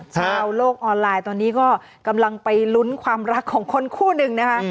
ชาวโลกออนไลน์ตอนนี้ก็กำลังไปลุ้นความรักของคนคู่หนึ่งนะคะ